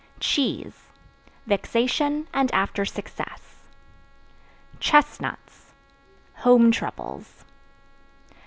Cheese Vexation and after success. Chestnuts Home troubles.